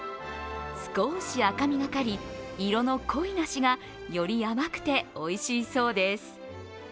少し赤みがかり、色の濃い梨がより甘くて、おいしいそうです。